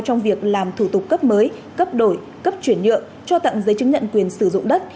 trong việc làm thủ tục cấp mới cấp đổi cấp chuyển nhượng cho tặng giấy chứng nhận quyền sử dụng đất